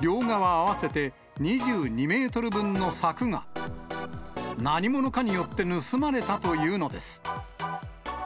両側合わせて２２メートル分の柵が何者かによって盗まれたというのです。